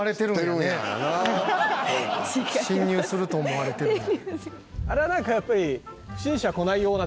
侵入すると思われてるんや。